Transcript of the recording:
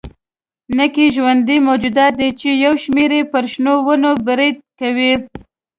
نکي ژوندي موجودات دي چې یو شمېر یې پر شنو ونو برید کوي.